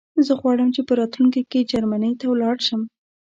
زه غواړم چې په راتلونکي کې جرمنی ته لاړ شم